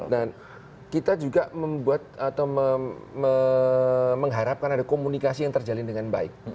dan kita juga membuat atau mengharapkan ada komunikasi yang terjalin dengan baik